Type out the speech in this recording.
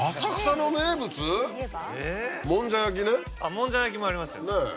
もんじゃ焼きもありますね。ねぇ。